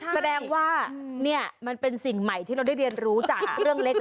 แสดงว่านี่มันเป็นสิ่งใหม่ที่เราได้เรียนรู้จากเรื่องเล็ก